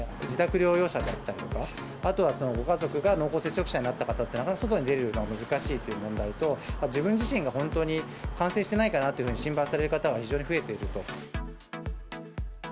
自宅療養者だったりとか、あとはご家族が濃厚接触者になった方というのは、なかなか外に出るのは難しいという問題と、自分自身が本当に感染してないかなというふうに心配される方が非常に増えていると。